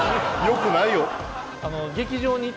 よくないよ。